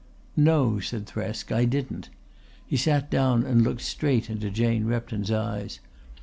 "No," said Thresk, "I didn't." He sat down and looked straight into Jane Repton's eyes.